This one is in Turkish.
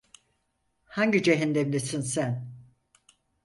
Hangi cehennemdesin sen?